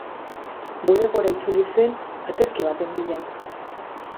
Bulegora itzuli zen aterki baten bila.